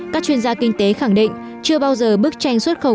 các chuyên gia kinh tế khẳng định chưa bao giờ bức tranh xuất khẩu